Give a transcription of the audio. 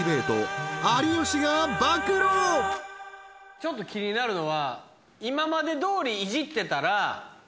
ちょっと気になるのは。